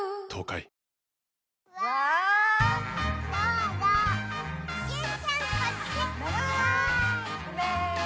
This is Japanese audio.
うめ？